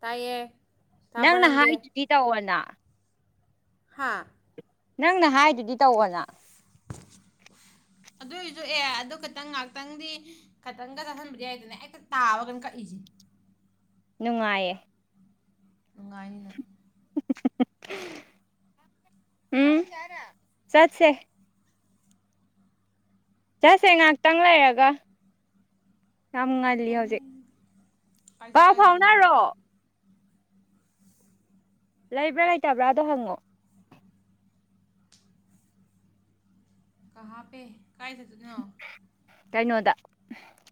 ꯇꯥꯏꯌꯦ ꯅꯪꯅ ꯍꯥꯏꯗꯨꯗꯤ ꯇꯧꯑꯣꯅ ꯍꯥꯥ ꯅꯪꯅ ꯍꯥꯏꯗꯨꯗꯤ ꯇꯧꯑꫭꯅ ꯑꯦꯑꯣꯏꯔꯁꯨ ꯑꯦ ꯑꯗꯨ ꯈꯤꯇꯪ ꯉꯥꯏꯍꯥꯛꯇꯪꯗꯤ ꯈꯤꯇꯪꯒ ꯆꯥꯁꯤꯟꯕꯗꯤ ꯌꯥꯏꯗꯅꯦ ꯑꯩꯛꯇ ꯇꯥꯕꯒꯅ ꯀꯛꯏꯁꯦ ꯅꯨꯡꯉꯥꯏꯌꯦ ꯅꯨꯡꯉꯥꯏꯅꯤꯅ ꯎꯝ ꯆꯠꯁꯦ ꯆꯁꯦ ꯉꯥꯏꯍꯥꯛꯇꯪ ꯂꯩꯔꯒ ꯌꯥꯝ ꯉꯜꯂꯤ ꯍꯧꯖꯤꯛ ꯄꯥꯎ ꯐꯥꯎꯅꯔꯣ ꯂꯩꯕ꯭ꯔꯥ ꯂꯩꯇꯕ꯭ꯔꯥꯗꯣ ꯍꯪꯉꯣ ꯀ ꯍꯥꯞꯄꯦ ꯀꯥꯏꯗꯗꯣꯏꯅꯣ ꯀꯩꯅꯣꯗ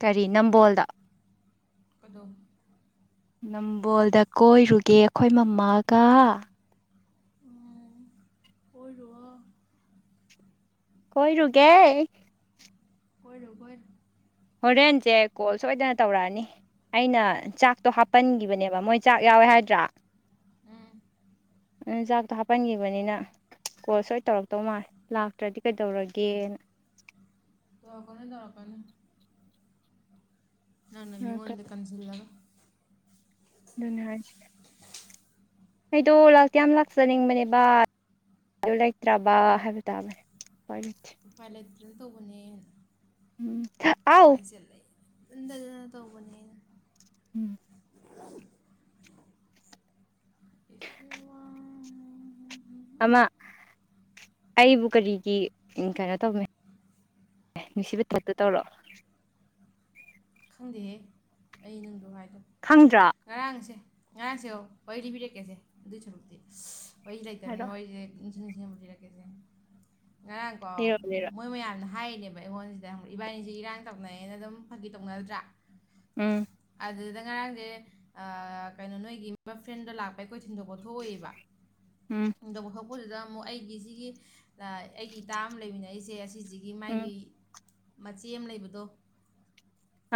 ꯀꯔꯤ ꯅꯝꯕꯣꯜꯗ ꯀꯗꯣ ꯅꯝꯕꯣꯜꯗ ꯀꯣꯏꯔꯨꯒꯦ ꯑꯩꯈꯣꯏ ꯃꯃꯥꯒ ꯎꯝ ꯀꯣꯏꯔꯨꯑꫭ ꯀꯣꯏꯔꯨꯒꯦ ꯀꫭꯏꯔꯨ ꯀꯣꯏꯔꯨ ꯍꯣꯔꯦꯖꯦ ꯀꯣꯜ ꯁꫭꯏꯗꯅ ꯇꯧꯔꯛꯑꯅꯤ ꯑꯩꯅ ꯆꯥꯛꯇꯣ ꯍꯥꯞꯄꯟꯈꯤꯕꯅꯦꯕ ꯃꯣꯏ ꯆꯥꯛ ꯌꯥꯎꯋꯦ ꯍꯥꯏꯗ꯭ꯔꯥ ꯖꯥꯛꯗ ꯍꯥꯞ ꯄꯟꯈꯤꯕꯅꯤꯅ ꯀꯣꯜ ꯁꯣꯏ ꯇꯧꯔꯛꯇꯧ ꯃꯥꯜꯂ ꯂꯥꯛꯇ꯭ꯔꯗꯤ ꯀꯩꯗꯧꯔꯒꯦꯅ ꯇꯥꯔꯛꯀꯅꯤ ꯇꯔꯀꯅꯤ ꯅꯪꯅ ꯃꯤꯉꯣꯟꯟ ꯑꯗꯨꯅꯦ ꯀꯟꯁꯤꯂꯒ ꯑꯗꯨ ꯍꯥꯏꯁꯤ ꯑꯩꯗꯣ ꯂꯥꯛꯇꯤ ꯌꯥꯝ ꯂꯥꯛꯆꯅꯤꯡꯕꯅꯦꯕ ꯑꯗꯨ ꯂꯩꯇ꯭ꯔꯕ ꯍꯥꯏꯕ ꯇꯥꯕꯅꯦ ꯏꯄꯥꯏ ꯂꯩꯇꯦ ꯎꯄꯥꯏ ꯂꯩꯇꯅ ꯇꯧꯕꯅꯦꯅ ꯎꯝ ꯑꯥꯎ ꯎꯄꯥꯏꯁꯦ ꯂꯩ [unintelligible] ꯇꯧꯕꯅꯦ ꯎꯝ ꯑꯃ ꯑꯩꯕꯨ ꯀꯔꯤꯒꯤ ꯀꯩꯅꯣ ꯇꯧꯕꯅꯦ ꯑꯦ ꯅꯨꯡꯁꯤꯕ ꯊꯛꯇ ꯇꯧꯔꯛꯑꯣ ꯈꯪꯗꯦꯍꯦ ꯑꯩ ꯅꯪꯗꯨ ꯍꯥꯏꯗꯅ ꯈꯪꯗ꯭ꯔꯥ ꯉꯔꯥꯡꯁꯦ ꯉꯔꯥꯡꯁꯦ ꯑꯣ ꯋꯥꯔꯤ ꯂꯤꯕꯤꯔꯛꯀꯦꯁꯦ ꯑꯗꯨꯏ ꯁꯔꯨꯛꯇꯤ ꯋꯥꯔꯤ ꯂꯩꯇꯕꯅꯤꯅ ꯍꯥꯏꯔꯛꯑꯣ ꯋꯥꯔꯤꯂꯤꯔꯛ [unintelligible] ꯂꯤꯔꯛꯀꯦꯁꯦ ꯉꯔꯥꯡ ꯀꫭ ꯂꯤꯔꯛꯑꯣ ꯃꫭꯏ ꯂꯤꯔꯛꯑꯣ ꯃꯣꯏ ꯃꯌꯥꯝꯅ ꯍꯥꯏꯔꯤꯅꯦꯕ ꯑꯩꯉꯣꯟꯁꯤꯗ ꯏꯕꯥꯏꯅꯤꯁ ꯏꯔꯥꯡ ꯇꯧꯅꯩꯌꯦꯅ ꯑꯗꯨꯝ ꯐꯥꯒꯤ ꯇꯧꯅꯗ꯭ꯔꯥ ꯎꯝ ꯑꯗꯨꯗꯨꯗ ꯉꯔꯥꯡꯁꯦ ꯀꯩꯅꯣ ꯅꯣꯏꯒꯤ ꯐ꯭ꯔꯦꯟꯗ ꯂꯥꯛꯄ ꯑꯩꯈꯣꯏ ꯊꯤꯟꯗꯣꯛꯄ ꯎꯝ ꯊꯣꯛꯏꯦꯕꯗ ꯃꯣꯏꯗꯨꯗꯥ ꯑꯃꯨꯛ ꯑꯩꯒꯤꯁꯤꯒꯤ ꯑꯩꯒꯤ ꯏꯇꯥ ꯑꯃ ꯂꯩꯃꯤꯟꯅꯏꯁꯦ ꯑꯁꯤꯁꯤꯒꯤ ꯎꯝ ꯃꯥꯒꯤ ꯃꯆꯦ ꯑꯃ ꯂꯩꯕꯗꯣ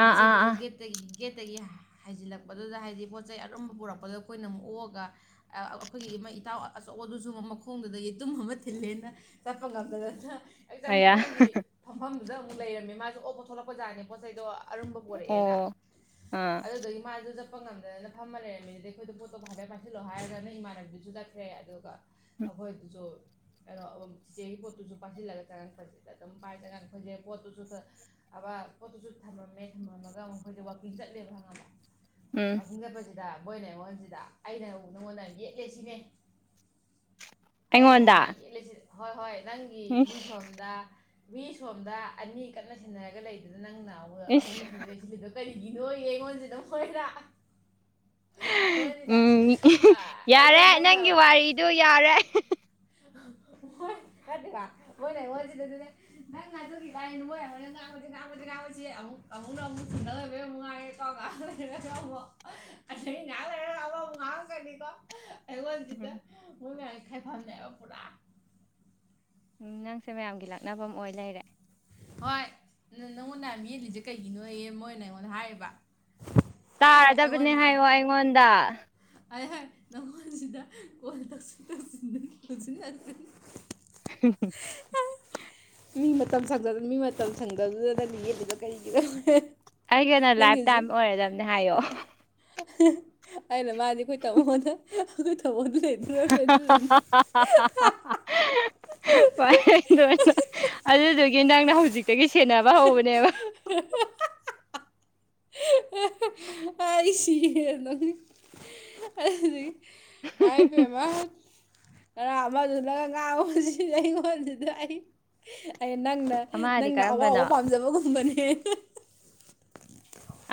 ꯑꯥ ꯑꯥ ꯃꯆꯦꯗꯨꯁꯨ ꯑꯥ ꯒꯦꯠ ꯇꯒꯤ ꯒꯦꯠꯇꯒꯤ ꯍꯩꯖꯤꯜꯂꯛꯄꯗꯨꯗ ꯍꯥꯏꯗꯤ ꯄꯣꯠ ꯆꯩ ꯑꯔꯨꯝꯕ ꯄꯨꯔꯛꯄꯗꯣ ꯑꯩꯈꯣꯏꯅ ꯑꯃꯨꯛ ꯑꯣꯛꯑꯒ ꯑꯩꯈꯣꯏꯒꯤ ꯏꯃꯩ ꯏꯇꯥꯎ ꯑꯆꯧ ꯑ ꯑꯗꯨꯁꯨ ꯃꯈꯣꯡꯗꯨꯗ ꯌꯩꯇꯨꯝ ꯑꯃ ꯊꯤꯜꯂꯦꯅ ꯆꯞꯄ ꯉꯝꯗ ꯅꯠꯇꯔ ꯑꯌꯥ ꯍꯛꯆꯥꯡꯐꯝꯒꯤ ꯐꯝꯐꯝꯗꯨꯗ ꯑꯃꯨꯛ ꯂꯩꯔꯝꯃꯦ ꯃꯥꯁꯨ ꯑꯣꯞꯄ ꯊꯣꯛꯂꯛꯄꯖꯥꯠꯅꯦ ꯄꯣꯠ ꯆꯩꯗꯣ ꯑꯔꯨꯝꯕ ꯑꯣ ꯄꯣꯔꯛꯑꯦꯅ ꯑꯥ ꯑꯗꯨꯗꯨꯢ ꯃꯥꯁꯨ ꯆꯠꯄ ꯉꯝꯗꯅ ꯐꯝꯃ ꯂꯩꯔꯝꯃꯤꯗꯨꯗꯤ ꯑꯩꯈꯣꯏꯗꯣ ꯄꯣꯠꯇꯣ ꯍꯥꯏꯕꯠ ꯄꯥꯏꯁꯤꯜꯂꯣ ꯍꯥꯏꯔꯒ ꯅꯪ ꯏꯃꯥꯟꯅꯕꯗꯨꯁꯨ ꯆꯠꯈ꯭ꯔꯦ ꯑꯗꯨꯒ ꯑꯈꯣꯏ ꯑꯗꯨꯁꯨ ꯀꯩꯅꯣ ꯆꯤꯆꯦꯒꯤ ꯄꯣꯠꯇꯨꯁꯨ ꯄꯥꯏꯁꯤꯜꯂꯒ ꯇꯉꯥꯟ ꯐꯖꯤꯜꯂ ꯑꯗꯨꯝ ꯄꯥꯏ ꯇꯉꯥꯟ ꯐꯖꯂꯦ ꯄꯣꯠꯇꯨꯁꯨ ꯈꯔ ꯑꯕ ꯄꯣꯠꯇꯨꯁꯨ ꯊꯝꯃꯝꯃꯦ ꯊꯝꯃꯝꯃꯒ ꯃꯈꯣꯏꯁ ꯋꯥꯛꯀꯤꯡ ꯆꯠꯂꯦꯕ ꯍꯪꯉꯝꯕ ꯎꯝ ꯋꯥꯛꯀꯤꯡ ꯆꯠꯄꯁꯤꯗ ꯁꯤꯗ ꯃꯣꯏꯅ ꯑꯩꯉꯣꯟꯁꯤꯗ ꯑꯩꯅ ꯅꯉꯣꯟꯗ ꯌꯦꯠꯂꯦ ꯁꯤꯅꯦ ꯑ ꯑꯩꯉꯣꯟꯗ ꯅꯪꯉꯣꯟꯗ ꯌꯥꯝ ꯏꯠꯂꯤꯁꯤ ꯍꯣꯏ ꯍꯣꯏ ꯅꯪꯒꯤ ꯏꯁ ꯃꯤ ꯁꯣꯝꯗ ꯃꯤ ꯁꯣꯝꯗ ꯑꯅꯤ ꯀꯟꯅ ꯁꯤꯟꯅꯔꯒ ꯂꯩꯗꯨꯅ ꯅꯪ ꯅꯍ ꯑꯍꯨꯝ ꯏꯁ [unintelligible] ꯀꯔꯤꯒꯤꯅꯣ ꯌꯦꯡꯉꯣꯟꯁꯤꯗ ꯍꯣꯏꯔ ꯎꯝ ꯑꯩꯉꯣꯏꯁꯤꯗꯥ [unintelligible] ꯑꯗꯨ ꯌꯥꯔꯦ [unintelligible] [unintelligible] [unintelligible] ꯑꯩꯉꯣꯟꯁꯤꯗ ꯃꯣꯏ ꯃꯌꯥꯝꯒꯤ ꯈꯥꯏꯐꯝꯃꯦꯕ ꯄꯨꯔꯥ ꯎꯝ ꯅꯪꯁꯦ ꯃꯌꯥꯝꯒꯤ ꯂꯥꯛꯅꯐꯝ ꯑꯃ ꯑꯣꯏ ꯂꯩꯔꯦ ꯍꯣꯏ ꯅꯪꯉꯣꯟꯗ ꯃꯤꯌꯦꯂꯤꯁꯦ ꯀꯩꯒꯤꯅꯣꯌꯦ ꯃꯣꯏꯅ ꯑꯩꯉꯣꯟꯗ ꯍꯥꯏꯔꯤꯕ ꯇꯥꯔꯗꯕꯅꯦ ꯍꯥꯏꯌꯣ ꯑꯩꯉꯣꯟꯗ ꯍꯥꯏ ꯍꯥꯏ ꯅꯉꯣꯟꯁꯤꯗ ꯀꯜ ꯇꯧꯁꯤ [unintelligible] ꯍꯝ ꯍꯨꯝ ꯃꯤ ꯃꯇꯝ ꯁꯪꯗꯗꯅ ꯃꯤ ꯃꯇꯝ ꯁꯪꯗꯗꯨꯗ ꯅꯪꯅ ꯌꯦꯠꯂꯤꯕ ꯀꯔꯤꯒꯤꯅꯣ ꯑꯩꯒꯤ ꯅ ꯂꯥꯏꯐ ꯅꯪꯒꯤꯁꯨ ꯇꯥꯏꯝ ꯑꯣꯏꯔꯗꯕꯅꯦ ꯍꯥꯏꯌꯣ [inaudible] ꯑꯩꯅ ꯃꯥꯗꯤ ꯑꯩꯈꯣꯏ ꯇꯥꯃꯣꯗ ꯑꯩꯈꯣꯏ [unintelligible] ꯑꯗꯨꯗꯨꯒꯤ ꯅꯪꯅ ꯍꯧꯖꯤꯛꯇꯒꯤ ꯁꯦꯟꯅꯕ ꯍꯧꯕꯅꯦꯕ [inaudible] ꯑꯩ ꯁꯤꯔꯦ [unintelligible] ꯉꯥꯏꯕꯦꯝꯃ ꯉꯔꯥ ꯑꯃꯗꯨꯗꯒ ꯉꯥꯡꯉꯨꯁꯤ ꯁꯤ ꯑꯩꯉꯣꯟꯁꯤꯗ ꯑꯩ ꯑꯩ ꯅꯪꯅ ꯑꯃꯗꯤ ꯅꯪꯅ ꯑꯋꯥꯕ ꯀꯔꯝꯕꯅꯣ ꯄꯥꯝꯖꯕꯒꯨꯝꯕꯅꯦ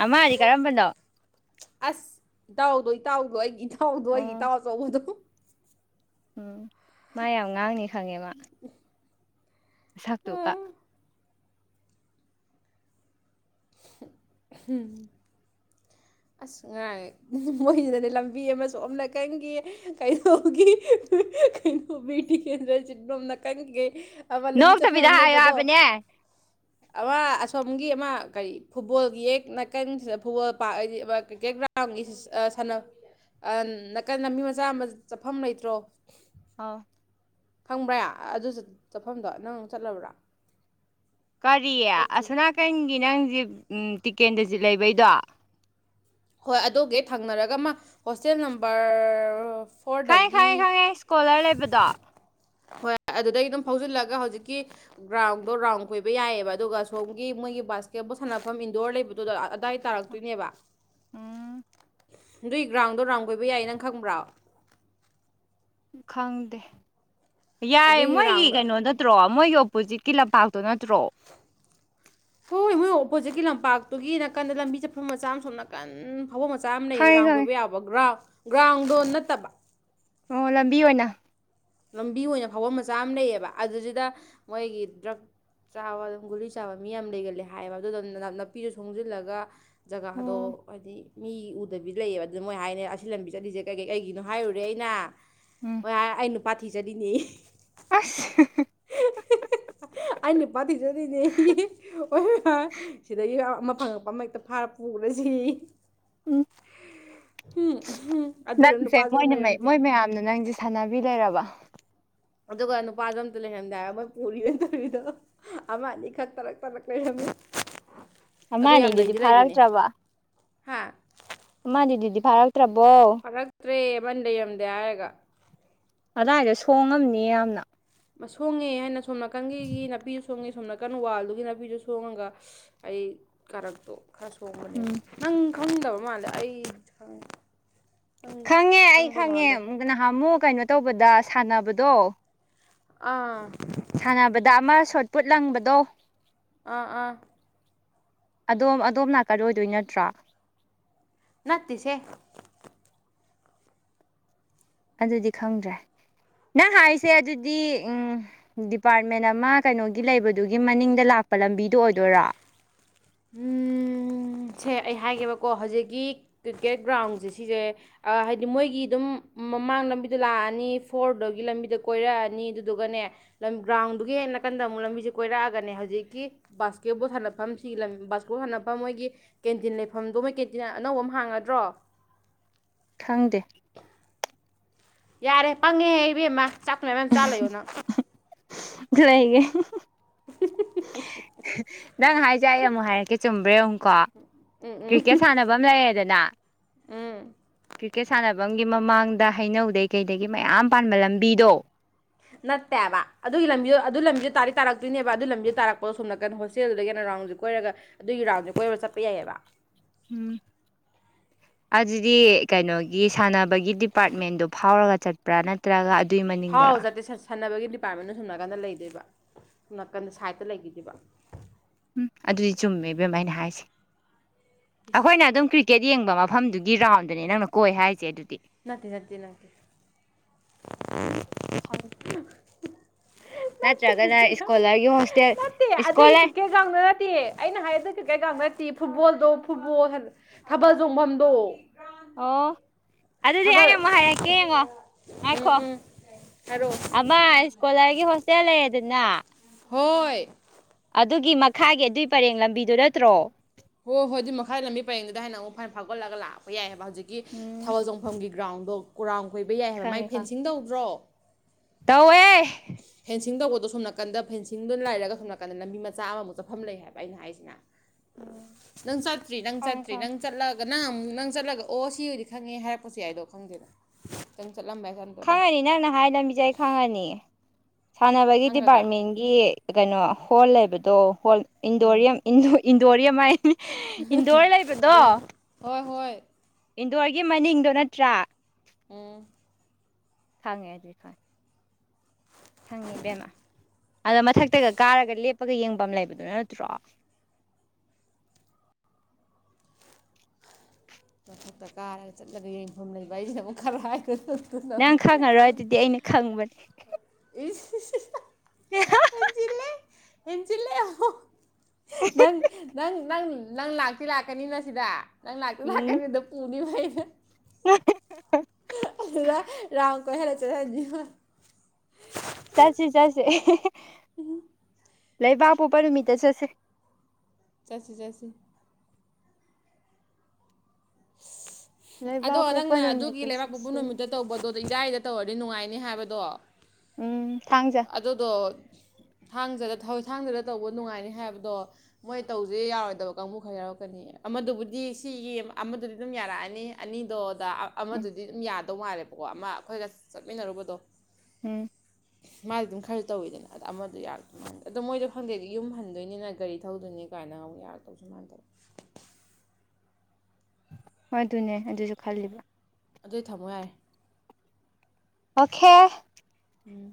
ꯑꯃ ꯑꯗꯤ ꯀꯔꯝꯕꯟꯗꯣ ꯑꯁ ꯏꯇꯥꯎꯗꯣ ꯏꯇꯥꯎꯗꯣ ꯑꯩꯒꯤ ꯏꯇꯥꯎꯗꯣ ꯑꯩꯒꯤ ꯑꯣ ꯏꯇꯥꯎ ꯑꯆꯧꯕꯗꯣ ꯎꯝ ꯃꯥ ꯌꯥꯝ ꯉꯥꯡꯅꯤ ꯈꯪꯉꯦꯕ ꯁꯛꯇꯨ ꯀ [inaudible] ꯑꯁ ꯉꯥꯏ ꯃꯣꯏꯁꯤꯗꯗꯤ ꯂꯝꯕꯤ ꯑꯃꯁꯨ ꯑꯝꯅ ꯀꯪꯈꯤ ꯀꯩꯅꯣꯒꯤ ꯀꯩꯅꯣ ꯕꯤꯔ ꯊꯀꯦꯟꯗ꯭ꯔ ꯆꯤꯠꯕꯝ ꯅꯀꯟꯒꯦ ꯑꯕ ꯂꯝꯕꯤ ꯆꯠꯐꯝ ꯅꯣꯛꯇꯕꯤꯗ ꯑꯃ ꯍꯥꯏꯌꯣ ꯂꯩꯕꯗꯣ ꯍꯥꯏꯕꯅꯦ ꯑꯃ ꯑꯁꯣꯝꯒꯤ ꯑꯃ ꯀꯔꯤ ꯐꯨꯠꯕꯣꯜꯒꯤ ꯌꯦꯛ ꯅꯥꯀꯟꯁꯤꯗ ꯐꯨꯠꯕꯣꯜ ꯄꯥꯛ ꯍꯥꯏꯗꯤ ꯀ꯭ꯔꯤꯀꯦꯠ ꯭ꯔꯥꯎꯟ ꯁꯥꯟꯅ ꯅꯥꯀꯟ ꯂꯝꯕꯤ ꯃꯆꯥ ꯑꯃ ꯆꯠꯐꯝ ꯂꯩꯇ꯭ꯔꯣ ꯑꯥꯎ ꯐꯪꯕ꯭ꯔꯥ ꯑꯗꯨ ꯆꯠꯐꯝꯗꯣ ꯅꯪ ꯆꯠꯂꯕ꯭ꯔꯥ ꯀꯔꯤ ꯆꯠꯇ꯭ꯔꯤ ꯑꯁꯅꯥꯀꯟꯒꯤ ꯅꯪꯁ ꯇꯤꯀꯦꯟꯗꯖꯤꯠ ꯂꯩꯕꯩꯗꯣ ꯍꯣꯏ ꯑꯗꯨꯒꯤ ꯍꯛ ꯊꯪꯅꯔꯒ ꯃꯥ ꯍꯣꯁꯇꯦꯜ ꯅꯝꯕꯔ ꯈꯪꯉꯦ ꯍꯗꯒꯤ ꯈꯪꯉꯦ ꯈꯪꯉꯦ ꯏꯁꯀꯣꯂꯔ ꯂꯩꯕꯗꯣ ꯍꯣꯏ ꯑꯗꯨꯗꯗꯒꯤ ꯑꯗꯨꯝ ꯐꯥꯎꯖꯤꯜꯂꯒ ꯍꯧꯖꯤꯛꯀꯤ ꯒ꯭ꯔꯥꯎꯟꯗꯣ ꯔꯥꯎꯟ ꯀꯣꯏꯕ ꯌꯥꯏꯌꯦꯕ ꯑꯗꯨꯒ ꯁꯣꯝꯒꯤ ꯃꯣꯏꯒꯤ ꯕꯥꯁꯀꯦꯠꯕꯣꯜ ꯁꯥꯟꯅꯐꯝ ꯏꯟꯗꯣꯔ ꯂꯩꯕꯗꯨꯗ ꯑꯗꯥꯏ ꯇꯥꯔꯛ ꯇꯅꯦꯕ ꯎꯝ ꯅꯗꯨꯏ ꯒ꯭ꯔꯥꯎꯟꯗꯣ ꯔꯥꯎꯟ ꯀꯣꯏꯕꯏ ꯅꯪ ꯈꯪꯕ꯭ꯔꯣ ꯈꯪꯗꯦ ꯌꯥꯏ ꯑꯗꯨꯒꯤ ꯃꯣꯏꯒꯤ ꯒ꯭ꯔꯥꯎꯟꯗ ꯀꯩꯅꯣꯗ ꯅꯠꯇ꯭ꯔꯣ ꯃꯣꯏꯒꯤ ꯑꯣꯄꯣꯖꯤꯠꯀꯤ ꯂꯝꯄꯥꯛꯇꯣ ꯅꯠꯇ꯭ꯔꯣ ꯍꯣꯏ ꯃꯣꯏ ꯑꯣꯄꯣꯖꯤꯠꯀꯤ ꯂꯝꯄꯥꯛꯇꯨꯒꯤ ꯅꯥꯀꯟꯗ ꯂꯝꯕꯤ ꯆꯠꯐꯝ ꯃꯆꯥ ꯑꯃ ꯁꯣꯝ ꯅꯥꯀꯟ ꯊꯕ ꯃꯆꯥ ꯑꯃ ꯂꯩꯌꯦ ꯈꯪꯉꯦ ꯔꯥꯎꯟ ꯀꯣꯏꯕ ꯈꯪꯉꯦ ꯌꯥꯕ ꯒ꯭ꯔꯥꯎꯟ ꯒ꯭ꯔꯥꯎꯟꯗꯣ ꯅꯠꯇꯕ ꯑꯣ ꯂꯝꯕꯤ ꯑꯣꯏꯅ ꯂꯝꯕꯤ ꯑꯣꯏꯅ ꯐꯥꯎꯐꯝ ꯃꯆꯥ ꯑꯃ ꯂꯩꯌꯦꯕ ꯑꯗꯨꯁꯤꯗ ꯃꯣꯏꯒꯤ ꯗ꯭ꯔꯛ ꯆꯥꯕ ꯑꯗꯨꯝ ꯒꯨꯂꯤ ꯆꯥꯕ ꯃꯤ ꯌꯥꯝ ꯂꯩꯒꯜꯂꯦ ꯍꯥꯏꯌꯦꯕ ꯑꯗꯨ ꯑꯗꯨ ꯅꯥꯄꯤꯗꯨ ꯁꯣꯡꯖꯤꯜꯂꯒ ꯖꯒꯥꯗꯣ ꯑꯣ ꯍꯥꯏꯗꯤ ꯃꯤ ꯎꯗꯕꯤ ꯂꯩꯌꯦꯕ ꯑꯗꯨꯅ ꯃꯣꯏ ꯍꯥꯏꯅꯤ ꯑꯁꯤ ꯂꯝꯕꯤ ꯆꯠꯂꯤꯁꯦ ꯀꯩꯀꯩ ꯀꯩꯒꯤꯅꯣ ꯍꯥꯏꯔꯨꯔꯦ ꯑꯩꯅ ꯎꯝ ꯀ ꯑꯩꯅꯨ ꯄꯥꯊꯖꯗꯤꯅꯤ ꯑꯁ ꯑꯦꯅꯤ ꯙꯤ ꯆꯙ ꯅꯩꯅ ꯑꯣꯏ ꯁꯤꯗꯩ ꯑꯃ ꯐꯪꯉꯛꯄ ꯑꯃ ꯍꯦꯛꯇ ꯐꯥꯔ ꯄꯨꯈ꯭ꯔꯁꯤ ꯎꯝ ꯎꯝ ꯑꯗꯨꯒ ꯅꯨꯄꯥꯁ ꯌꯥꯝ ꯂꯩꯔꯝꯗꯦ ꯅ ꯅꯪꯁꯦ ꯁꯥꯟꯅꯕꯤ ꯂꯩꯔꯕ ꯑꯗꯨꯒ ꯅꯨꯄꯥꯗ ꯑꯝꯇ ꯂꯩꯍꯟꯗꯥꯏꯔ ꯃꯣꯏ ꯄꯨꯔꯤ ꯑꯣꯏꯅ ꯇꯧꯔꯤꯗꯣ ꯑꯃ ꯑꯅꯤꯈꯛ ꯇꯂꯛ ꯇꯂꯛ ꯂꯩꯔꯝꯃꯤ ꯑꯗꯣ ꯑꯃ ꯌꯥꯝ ꯑꯅꯤꯗꯨꯗꯤ ꯂꯩꯗꯤ ꯂꯩꯕꯅꯦ ꯐꯥꯔꯛꯇ꯭ꯔꯕ ꯍꯥ ꯃꯥꯅꯦ ꯑꯗꯨꯗꯤꯗꯤ ꯐꯥꯔꯛꯇ꯭ꯔꯕꯣ ꯐꯔꯛꯇ꯭ꯔꯦ ꯑꯃꯟ ꯂꯩꯔꯝꯗꯦ ꯍꯥꯏꯔꯒ ꯑꯗꯥꯏꯗ ꯁꯣꯡꯉꯝꯅꯤ ꯌꯥꯝꯅ ꯁꯣꯡꯉꯦ ꯍꯥꯏꯅ ꯁꯣꯝ ꯅꯥꯀꯟꯒꯤꯒꯤ ꯅꯥꯄꯤꯗꯨ ꯁꯣꯡꯉꯦ ꯁꯣꯝ ꯅꯥꯀꯟ ꯋꯥꯜꯗꯨꯒꯤ ꯅꯥꯄꯤꯗꯨ ꯁꯣꯡꯉꯒ ꯑꯩ ꯀꯔꯛꯇꯣ ꯈꯔ ꯁꯣꯡꯕꯅꯦꯕ ꯎꯝ ꯅꯪ ꯈꯪꯗꯕ ꯃꯥꯜꯂꯦ ꯑꯩ ꯈꯪꯉꯦ ꯈꯪꯉꯦ ꯑꯩ ꯈꯪꯉꯦ ꯅꯍꯥꯟ ꯑꯃꯨꯛ ꯀꯩꯅꯣ ꯇꯧꯕꯗ ꯁꯥꯟꯅꯕꯗꯣ ꯑꯥ ꯁꯥꯟꯅꯕꯗ ꯑꯃ ꯁꯣꯠꯄꯨꯠ ꯂꯪꯕꯗꯣ ꯑꯥ ꯑꯥ ꯑꯗꯣꯝ ꯑꯗꯣꯝ ꯅꯥꯀꯜꯂꯣꯏꯗꯣꯏ ꯅꯠꯇ꯭ꯔꯣ ꯉꯠꯇꯁꯦ ꯑꯗꯨꯗꯤ ꯈꯪꯗ꯭ꯔꯦ ꯅꯪ ꯍꯥꯏꯁꯦ ꯑꯗꯨꯗꯤ ꯎꯝ ꯗꯤꯄꯥꯔꯠꯃꯦꯟ ꯑꯃ ꯀꯩꯅꯣꯒꯤ ꯂꯩꯕꯗꯨꯒꯤ ꯃꯅꯤꯡꯗ ꯂꯥꯛꯄ ꯂꯝꯕꯤꯗꯣ ꯑꯣꯏꯗꯣꯏꯔꯥ ꯎꯝ.. ꯁꯦ ꯑꯩ ꯍꯥꯏꯒꯦꯕꯀꯣ ꯍꯧꯖꯤꯛꯀꯤ ꯀ꯭ꯔꯤꯀꯦꯠ ꯒ꯭ꯔꯥꯎꯟꯖꯦ ꯁꯤꯖꯦ ꯑ ꯍꯥꯏꯗꯤ ꯃꯣꯏꯒꯤ ꯑꯗꯨꯝ ꯃꯃꯥꯡ ꯂꯝꯕꯤꯗ ꯂꯥꯛꯑꯅꯤ ꯐꯣꯔꯗꯨꯒꯤ ꯂꯝꯕꯤꯗ ꯀꯣꯏꯔꯛꯑꯅꯤ ꯑꯗꯨꯗꯨꯒꯅꯦ ꯂꯝ ꯒ꯭ꯔꯥꯎꯟꯗꯨꯒꯤ ꯍꯦ ꯅꯥꯀꯟꯗ ꯑꯃꯨꯛ ꯂꯝꯕꯤꯖꯦ ꯀꯣꯏꯔꯛꯑꯒꯅꯦ ꯍꯧꯖꯤꯛꯀꯤ ꯕꯥꯁꯀꯦꯠꯕꯣꯜ ꯁꯥꯟꯅꯐꯝ ꯁꯤꯒꯤ ꯂꯝ ꯕꯥꯁꯕꯣꯜ ꯁꯥꯟꯅꯐꯝ ꯃꯣꯏꯒꯤ ꯀꯦꯟꯇꯤꯟ ꯂꯩꯐꯝꯗꯣ ꯃꯣꯏ ꯀꯦꯟꯇꯤꯟ ꯑꯅꯧꯕ ꯑꯃ ꯍꯥꯡꯉꯗ꯭ꯔꯣ ꯈꯪꯗꯦ ꯌꯥꯔꯦ ꯄꯪꯉꯦ ꯏꯕꯦꯝꯃ ꯆꯥꯛꯇꯨ ꯃꯌꯥꯝ ꯃꯌꯥꯝ ꯆꯥꯔ ꯂꯩꯌꯨ ꯅꯪ ꯂꯩꯒꯦ [unintelligible] ꯅꯪ ꯍꯥꯏꯖꯦ ꯑꯩ ꯑꯃꯨꯛ ꯍꯥꯏꯔꯛꯀꯦ ꯆꯨꯝꯕ꯭ꯔ ꯌꯦꯡꯉꯨꯀꯣ ꯎꯝ ꯎꯝ ꯀ꯭ꯔꯤꯛꯀꯦꯠ ꯁꯥꯟꯅꯕꯝ ꯂꯩꯔꯦꯗꯅ ꯎꯝ ꯀ꯭ꯔꯤꯛꯀꯦꯠ ꯁꯥꯟꯅꯕꯝꯒꯤ ꯃꯃꯥꯡꯗ ꯍꯩꯅꯧꯗꯩ ꯀꯩꯗꯒꯤ ꯃꯌꯥꯝ ꯄꯥꯟꯕ ꯂꯝꯕꯤꯗꯣ ꯅꯠꯇꯦꯑꯕ ꯑꯗꯨꯒꯤ ꯂꯝꯕꯤꯗꯣ ꯑꯗꯨ ꯂꯝꯕꯤꯗꯣ ꯇꯥꯗꯤ ꯇꯥꯔꯛꯇꯣꯏꯅꯦꯕ ꯑꯗꯨ ꯂꯝꯕꯤꯗ ꯇꯥꯔꯛꯄ ꯁꯣꯝ ꯅꯀꯟ ꯍꯣꯁꯇꯦꯜꯗꯨꯗꯒꯤ ꯍꯦꯟꯅ ꯔꯥꯎꯟꯖ ꯀꯣꯏꯔꯒ ꯑꯗꯨꯒꯤ ꯔꯥꯎꯟꯖꯦ ꯀꯣꯏꯔꯒ ꯆꯠꯄ ꯌꯥꯏꯑꯦꯕ ꯎꯝ ꯑꯗꯨꯗꯤ ꯀꯩꯅꯣꯒꯤ ꯁꯥꯟꯅ ꯕꯒꯤ ꯗꯤꯄꯥꯔꯠꯃꯦꯟꯗꯨ ꯐꯥꯎꯔꯒ ꯆꯠꯄ꯭ꯔꯥ ꯅꯠꯇ꯭ꯔꯒ ꯑꯗꯨꯏ ꯐꯥꯎ ꯃꯅꯤꯡꯗꯔꯥ ꯆꯠꯇꯦ ꯁꯥꯟ- ꯁꯥꯟꯅꯕꯒꯤ ꯗꯤꯄꯥꯔꯠꯃꯦꯟꯅ ꯁꯨꯝꯅꯥꯀꯟꯗ ꯂꯩꯗꯣꯏꯕ ꯁꯨꯡꯝꯅꯥꯀꯟ ꯁꯥꯏꯗꯠꯇ ꯂꯩꯈꯤꯗꯕ ꯎꯝ ꯑꯗꯨꯗꯤ ꯆꯨꯝꯃꯦ ꯕꯦꯝꯃ ꯑꯩꯅ ꯍꯥꯏꯁꯦ ꯑꯩꯈꯣꯏꯅ ꯑꯗꯨꯝ ꯀ꯭ꯔꯤ ꯀꯦꯠ ꯌꯦꯡꯕ ꯃꯐꯝꯗꯨꯒꯤ ꯔꯥꯎꯟꯗꯨꯅꯦ ꯅꯪꯅ ꯀꯣꯏ ꯍꯥꯏꯔꯤꯖꯦ ꯑꯗꯨꯗꯤ ꯅꯠꯇꯦ ꯅꯠꯇꯦ ꯅꯠꯇꯦ [unintelligible] ꯅꯠꯇꯦ ꯅꯠꯇ꯭ꯔꯒꯅ ꯏꯁꯀꯣꯂꯔꯒꯤ ꯍꯣꯁꯇꯦꯜ ꯏꯁꯀꯣꯂꯔ ꯇ꯭ꯔꯪꯗ ꯅꯠꯇꯤꯌꯦ ꯑꯩꯅ ꯍꯥꯏꯔꯖꯨ ꯀ ꯀꯩꯡꯕ ꯅꯠꯇꯦ ꯐꯨꯠꯕꯣꯜꯗꯣ ꯐꯨꯠꯕꯣꯜ ꯊꯕꯜ ꯆꯣꯡꯐꯝꯗꯣ ꯑꯣ ꯑꯗꯨꯗꯤ ꯊꯥꯕꯜ ꯑꯩꯅ ꯑꯃꯨꯛ ꯍꯥꯏꯔꯛꯀꯦ ꯌꯦꯡꯉꯣ ꯎꯝ ꯉꯥꯏꯈꯣ ꯎꯝ ꯍꯥꯏꯔꯛꯑꯣ ꯃꯥ ꯁꯀꯣꯂꯔꯒꯤ ꯍꯣꯁꯇꯦꯜ ꯂꯩꯔꯦꯗꯨꯅ ꯍꯣꯏ ꯑꯗꯨꯒꯤ ꯃꯈꯥꯒꯤ ꯑꯗꯨꯏ ꯄꯔꯦꯡ ꯂꯝꯕꯤꯗꯨ ꯅꯠꯇ꯭ꯔꯣ ꯍꯣꯏ ꯍꯣꯏ ꯑꯗꯨꯗꯤ ꯃꯈꯥꯏ ꯂꯝꯕꯤ ꯄꯔꯦꯡꯗꯨꯗ ꯍꯥꯏꯅ ꯑꯃꯨꯛ ꯐꯅ ꯐꯥꯎꯒꯠꯂꯒ ꯂꯥꯛꯄ ꯌꯥꯏ ꯍꯥꯢꯕ ꯍꯧꯖꯤꯛꯀꯤ ꯎꯝ ꯊꯕꯜ ꯆꯣꯡ ꯐꯝꯒꯤ ꯒ꯭ꯔꯥꯎꯟꯗꯣ ꯀꯨꯔꯥꯎꯟ ꯀꯣꯏꯕ ꯌꯥꯏ ꯍꯥꯏꯕ ꯃꯥꯏ ꯈꯪꯉꯦ ꯈꯪꯉꯦ ꯐꯦꯟꯁꯤꯡ ꯇꯧꯗ꯭ꯔꯣ ꯇꯧꯋꯦ ꯐꯦꯟꯁꯤꯡ ꯇꯧꯕꯗꯣ ꯁꯣꯝ ꯅꯥꯀꯟꯗ ꯐꯦꯟꯁꯤꯡꯗꯣ ꯂꯩꯔꯒ ꯁꯣꯝ ꯅꯥꯀꯗ ꯂꯝꯕꯤ ꯃꯆꯥ ꯑꯃꯃꯨꯛ ꯆꯠꯐꯝ ꯂꯩ ꯍꯥꯏꯕ ꯑꯩꯅ ꯍꯥꯏꯖꯤꯅ ꯎꯝ ꯅꯪ ꯆꯇ꯭ꯔꯤ ꯅꯪ ꯈꯪꯉꯦ ꯆꯇ꯭ꯔꯤ ꯈꯪꯉꯦ ꯅꯪ ꯆꯠꯂꯒ ꯅꯪ ꯑꯃꯨꯛ ꯅꯪ ꯆꯠꯂꯒ ꯑꯣ ꯁꯤꯑꯣꯢꯗꯤ ꯈꯪꯉꯦ ꯍꯥꯏꯔꯛꯄꯁꯨ ꯌꯥꯏꯗꯣ ꯈꯪꯗꯦꯗ ꯅꯪ ꯆꯠꯂꯝꯕꯩ ꯍꯥꯏ ꯈꯪꯉꯅꯤ ꯅꯪꯅ ꯍꯥꯏ ꯂꯝꯕꯤꯖꯦ ꯑꯩ ꯈꯪꯉꯅꯤ ꯁꯥꯟꯅꯕꯒꯤ ꯈꯪꯒꯗ꯭ꯔꯥ ꯗꯤꯄꯥꯔꯠꯃꯦꯟ ꯒꯤ ꯀꯩꯅꯣ ꯍꯣꯜ ꯂꯩꯕꯗꯣ ꯍꯣꯜ ꯎꯝ ꯏꯟꯗꯣꯔꯤꯌꯝ ꯏꯟꯗꯣ ꯏꯟꯗꯣꯔꯤꯌꯝ ꯍꯥꯏꯅꯤ ꯏꯟꯗꯣꯔ ꯂꯩꯕꯗꯣ ꯑꯗꯣ ꯍꯣꯏ ꯍꯣꯏ ꯏꯟꯗꯣꯔꯒꯤ ꯃꯅꯤꯡꯗꯣ ꯅꯠꯇ꯭ꯔꯥ ꯎꯝ ꯊꯪꯉꯦꯗꯤ ꯈꯥꯢ ꯊꯪꯉꯦ ꯕꯦꯝꯃ ꯑꯗꯣ ꯃꯊꯛꯇꯒ ꯀꯥꯔꯒ ꯂꯦꯞꯄꯒ ꯌꯦꯡꯕꯝ ꯂꯩꯕꯗꯨ ꯅꯠꯇ꯭ꯔꯣ ꯃꯊꯛꯇ ꯀꯥꯔꯒ ꯆꯠꯂꯒ ꯌꯦꯡꯕꯝ ꯂꯩꯕ ꯑꯩꯖꯤꯅꯃꯨꯛ ꯈꯔꯥꯢꯗꯍ ꯅꯪ ꯈꯪꯉꯔꯣꯏ ꯑꯗꯨꯗꯤ ꯑꯩꯅ ꯈꯪꯕꯅꯦ ꯑꯦꯟꯖꯤꯜꯂꯦ ꯍꯦꯟꯖꯤꯜꯂꯦ ꯅꯪ ꯅꯪ ꯅꯪ ꯅꯪ ꯂꯥꯛꯇꯤ ꯂꯥꯛꯀꯅꯤꯅ ꯁꯤꯗ ꯅꯪ ꯂꯥꯛꯇꯤ ꯎꯝ ꯂꯥꯛꯀꯅꯤ ꯑꯗꯨꯝ [unintelligible] [unintelligible] ꯑꯗꯨꯗ ꯔꯥꯎꯟ ꯀꯣꯏꯍꯜꯂꯒ ꯆꯠꯍꯟꯅꯤ ꯆꯠꯁꯤ ꯆꯠꯁꯤ ꯂꯩꯕꯥꯛꯄꯣꯛꯄ ꯅꯨꯃꯤꯠꯇ ꯆꯠꯁꯦ ꯆꯠꯁꯤ ꯆꯠꯁꯤ ꯑꯗꯣ ꯂꯩꯕꯥꯛ ꯄꯣꯛꯄ ꯅꯪꯅ ꯑꯗꯨꯒꯤ ꯅꯨꯃꯤꯠꯇ ꯂꯩꯕꯥꯛꯄꯣꯄ ꯆꯠꯁꯤ ꯅꯨꯃꯤꯠꯇ ꯇꯧꯕꯗꯣ ꯏꯔꯥꯏꯗ ꯇꯧꯔꯗꯤ ꯅꯨꯡꯉꯥꯏꯅꯤ ꯍꯥꯏꯕꯗꯣ ꯎꯝ ꯊꯥꯡꯖ ꯑꯗꯨꯗꯣ ꯊꯥꯡꯖꯗ ꯊꯥꯡꯖꯗ ꯇꯧꯕ ꯅꯨꯡꯉꯥꯏꯅꯤ ꯍꯥꯏꯕꯗꯣ ꯃꯣꯏ ꯇꯧꯁꯦ ꯌꯥꯎꯔꯣꯏꯗꯕ ꯀꯥꯡꯕꯨ ꯈꯔ ꯌꯥꯎꯔꯛꯀꯅꯤꯌꯦ ꯑꯃꯗꯨꯕꯨꯗꯤ ꯁꯤꯒꯤ ꯑꯃꯗꯨꯗꯤ ꯑꯗꯨꯝ ꯌꯥꯔꯛꯑꯅꯤ ꯑꯅꯤꯗꯣꯗ ꯎꯝ ꯑꯃꯗꯨꯗꯤ ꯑꯗꯨꯝ ꯌꯥꯗꯧ ꯃꯥꯜꯂꯦꯕꯀꯣ ꯑꯃ ꯑꯩꯈꯣꯏꯒ ꯆꯠꯃꯤꯟꯅꯔꯨꯕꯗꯣ ꯎꯝ ꯃꯥꯗꯤ ꯑꯗꯨꯝ ꯈꯔꯁꯨ ꯇꯧꯋꯤꯗꯅ ꯑꯗꯣ ꯑꯃꯗꯣ ꯌꯥꯔꯛꯇꯧ ꯃꯥꯟꯗꯦ ꯑꯗꯣ ꯃꯣꯏꯗꯣ ꯐꯪꯗꯦꯗꯤ ꯌꯨꯝ ꯍꯟꯗꯣꯏꯅꯤꯅ ꯒꯥꯔꯤ ꯊꯧꯗꯣꯏꯅꯤ ꯀꯥꯏꯅ ꯑꯃꯨꯛ ꯌꯥꯔꯛꯇꯧꯁꯨ ꯃꯥꯟꯗꯕ ꯑꯗꯨꯅꯦ ꯑꯗꯨꯁꯨ ꯈꯜꯂꯤꯕ ꯑꯗꯨꯗꯤ ꯊꯝꯃꯣ ꯌꯥꯔꯦ ꯑꯣꯈꯦ ꯎꯝ